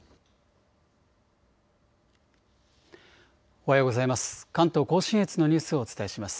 おはようございます。